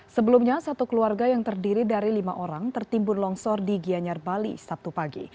sebelumnya satu keluarga yang terdiri dari lima orang tertimbun longsor di gianyar bali sabtu pagi